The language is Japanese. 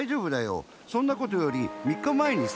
そんなことよりみっかまえにさ。